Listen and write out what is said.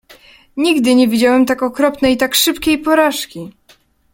"„Nigdy nie widziałem tak okropnej, tak szybkiej porażki."